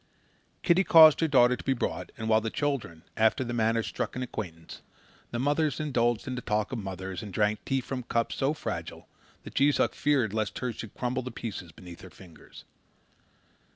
Kitty caused her daughter to be brought, and while the children, after their manner, struck an acquaintance, the mothers indulged in the talk of mothers and drank tea from cups so fragile that Jees Uck feared lest hers should crumble to pieces beneath her fingers.